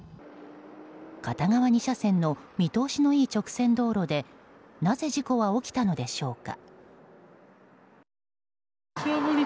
片側２車線の見通しのいい直線道路でなぜ事故は起きたのでしょうか。